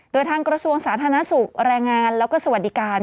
โดยทางกระทรวงสาธารณสุขแรงงานแล้วก็สวัสดิการ